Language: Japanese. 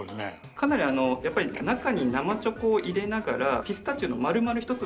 かなりやっぱり中に生チョコを入れながらピスタチオの丸々ひと粒。